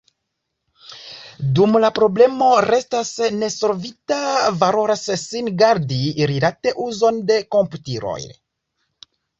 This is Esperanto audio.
Dum la problemo restas nesolvita, valoras sin gardi rilate uzon de komputiloj.